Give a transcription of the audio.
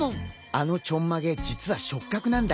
あのちょんまげ実は触角なんだ。